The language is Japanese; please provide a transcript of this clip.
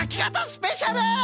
スペシャル！